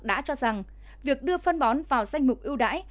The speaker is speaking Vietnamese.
đã cho rằng việc đưa phân bón vào danh mục ưu đãi